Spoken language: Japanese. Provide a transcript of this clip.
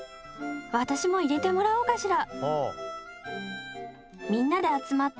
私も入れてもらおうかしら。